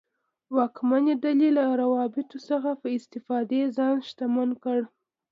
واکمنې ډلې له روابطو څخه په استفادې ځان شتمن کړ.